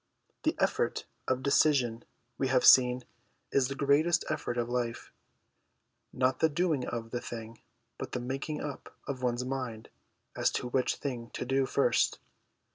The effort of decision, we have seen, is the greatest effort of life ; not the doing of the thing, but the making up of one's mind as to which thing to do first.